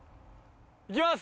いきます！